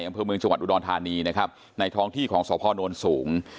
อำเภอเมืองจังหวัดอุดรธานีนะครับในท้องที่ของสพนสูง